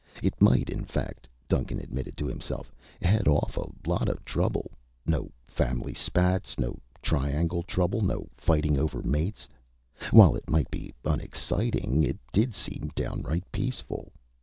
It might, in fact, Duncan admitted to himself, head off a lot of trouble. No family spats, no triangle trouble, no fighting over mates. While it might be unexciting, it did seem downright peaceful.